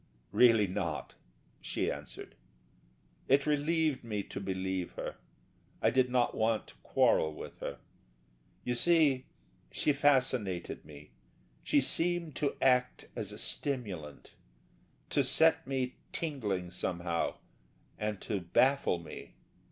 "Really not," she answered. It relieved me to believe her. I did not want to quarrel with her. You see, she fascinated me, she seemed to act as a stimulant, to set me tingling somehow and to baffle me....